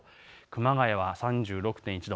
熊谷は３６．１度。